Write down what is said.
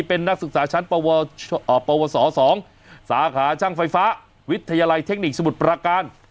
เป็นนักศึกษาชั้นปวส๒สาขาช่างไฟฟ้าวิทยาลัยเทคนิคสมุทรประการ